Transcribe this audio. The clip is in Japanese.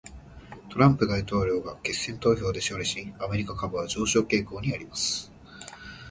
トランプ大統領が決選投票で勝利し、アメリカ株は上昇傾向にあります。